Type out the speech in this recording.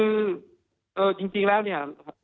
คือจริงแล้วเนี่ย